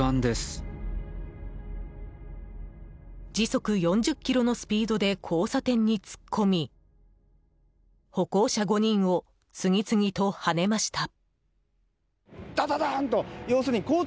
時速４０キロのスピードで交差点に突っ込み歩行者５人を次々とはねました。